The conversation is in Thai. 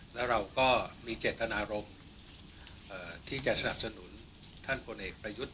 แล้วเราก็มีเจตนารมณ์ที่จะสนับสนุนท่านพลเอกประยุทธ์